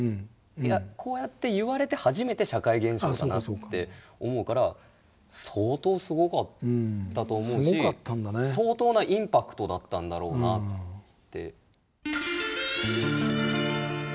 こうやって言われて初めて社会現象だなって思うから相当すごかったと思うし相当なインパクトだったんだろうなって。